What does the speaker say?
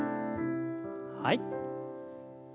はい。